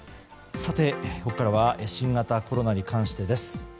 さて、ここからは新型コロナに関してです。